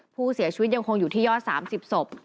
ผู้เสียชีวิตยังคงอยู่ที่ยอด๓๐ศพ